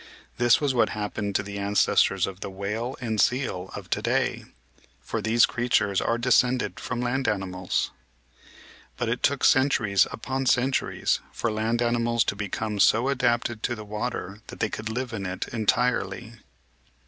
This was what happened to the ances tors of the whale and seal of to day, for these creatures are descended from land animals. But it took centuries upon centuries for land animals to become so adapted to the water that they could live in it entirely.